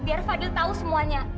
biar fadil tahu semuanya